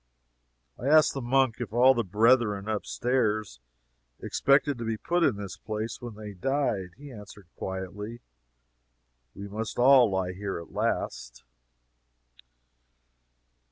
I asked the monk if all the brethren up stairs expected to be put in this place when they died. He answered quietly: "We must all lie here at last."